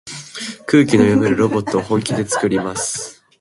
空気読めるロボットを本気でつくります。